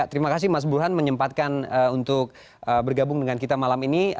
terima kasih mas burhan menyempatkan untuk bergabung dengan kita malam ini